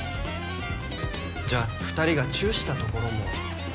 じゃあ２人がチューしたところも。